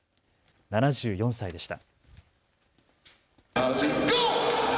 ７４歳でした。